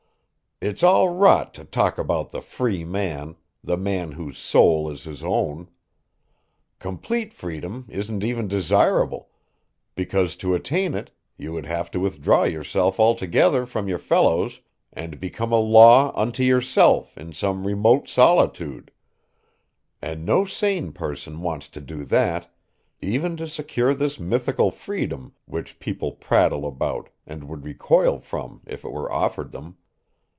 It's all rot to talk about the free man, the man whose soul is his own. Complete freedom isn't even desirable, because to attain it you would have to withdraw yourself altogether from your fellows and become a law unto yourself in some remote solitude; and no sane person wants to do that, even to secure this mythical freedom which people prattle about and would recoil from if it were offered them.